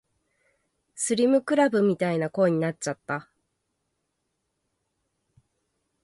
スリムクラブみたいな声になっちゃった